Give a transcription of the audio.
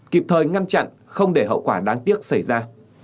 kịp thời ngăn chặn không để hậu quả đáng tiếc xảy ra